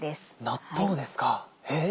納豆ですかへぇ！